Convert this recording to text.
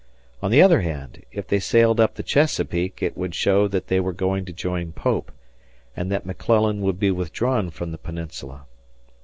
On the other hand, if they sailed up the Chesapeake, it would show that they were going to join Pope, and that McClellan would be withdrawn from the peninsula.